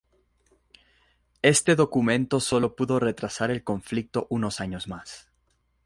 Este documento sólo pudo retrasar el conflicto unos años más.